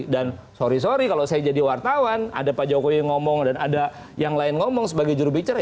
dan sorry sorry kalau saya jadi wartawan ada pak jokowi yang ngomong dan ada yang lain ngomong sebagai jurubicara